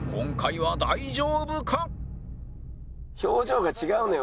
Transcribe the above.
表情が違うのよ